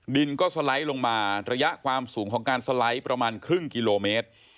ดินก็สไลด์ลงมาระยะความสูงของการสไลด์ประมาณครึ่งกิโลเมตร